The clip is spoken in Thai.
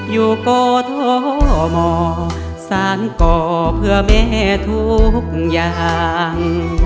อยู่กทมสารก่อเพื่อแม่ทุกอย่าง